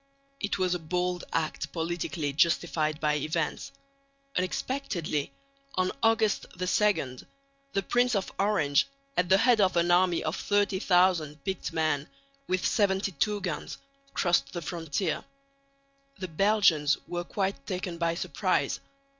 It was a bold act politically justified by events. Unexpectedly, on August 2, the Prince of Orange at the head of an army of 30,000 picked men with 72 guns crossed the frontier. The Belgians were quite taken by surprise.